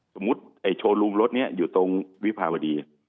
สมมุติโชว์รูมรถนี้อยู่ตรงวิภาวดี